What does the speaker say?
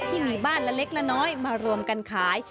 ที่มีบ้านละเล็กละน้อยมารวมกันขาย